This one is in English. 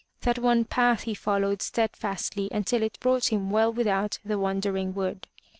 That one path he followed stead fastly until it brought him well without the Wandering Wood.